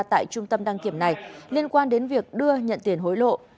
tại trung tâm đăng kiểm này liên quan đến việc đưa nhận tiền hối lộ